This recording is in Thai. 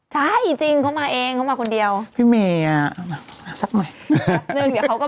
ใช่จริงเขามาเองเขามาคนเดียวพี่แม่อ่ะสักหน่อยเดี๋ยวเขาก็